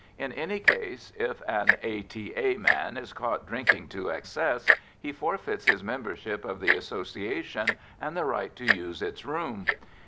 In any case, if an A.T.A. man is caught drinking to excess, he forfeits his membership of the Association and the right to use its room.